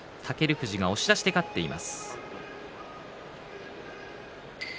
富士が押し出しで勝っています。